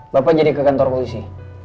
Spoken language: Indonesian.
bapak jadi ke kantor polisi